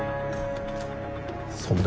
そんな